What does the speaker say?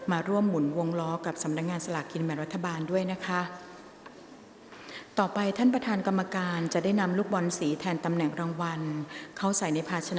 อาระวันที่สามครั้งที่สองเลขที่ออก